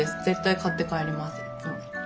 絶対買って帰りますいつも。